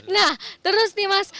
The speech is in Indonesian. nah terus nih mas